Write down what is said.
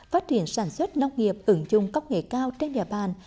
phát triển sản xuất nông nghiệp ứng dụng công nghệ cao trên địa bàn